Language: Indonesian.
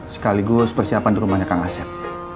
sekaligus persiapan di rumahnya kang asep